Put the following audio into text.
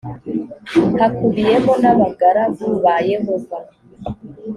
hakubiyemo n abagaragu ba yehova